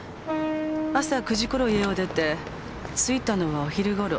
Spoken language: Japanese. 朝９時頃家を出て着いたのはお昼頃。